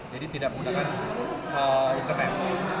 jadi tidak menggunakan internet